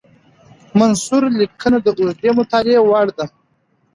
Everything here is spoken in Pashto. منثور لیکنه د اوږدې مطالعې وړ ده.